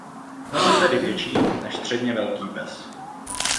Nebyl tedy větší než středně velký pes.